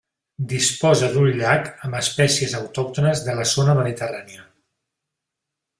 Disposa d'un llac amb espècies autòctones de la zona mediterrània.